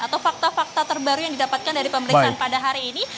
atau fakta fakta terbaru yang didapatkan dari pemeriksaan pada hari ini